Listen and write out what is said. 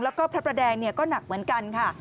แล้วก็พระประแดงก็หนักเหมือนกันค่ะ